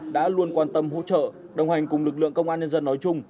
đã luôn quan tâm hỗ trợ đồng hành cùng lực lượng công an nhân dân nói chung